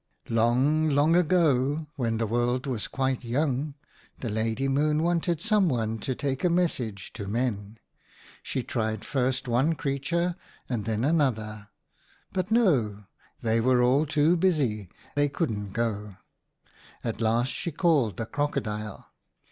" Long, long ago, when the world was quite young, the Lady Moon wanted some one to take a message to Men. She tried first one creature and then another, but no ! they were all too busy, they couldn't go. At last she called the Crocodile.